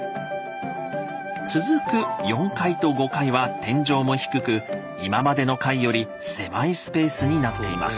続く４階と５階は天井も低く今までの階より狭いスペースになっています。